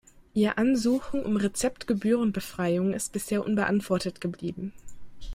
Ihr Ansuchen um Rezeptgebührenbefreiung ist bisher unbeantwortet geblieben.